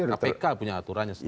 kpk punya aturannya sendiri